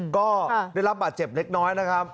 ก็ได้รับบาดเจ็บเล็กน้อยนะครับ